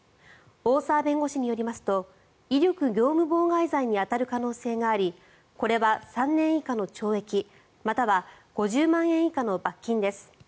大澤弁護士によりますと威力業務妨害罪に当たる可能性がありこれは３年以下の懲役または５０万円以下の罰金です。